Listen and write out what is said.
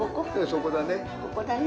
そこだね。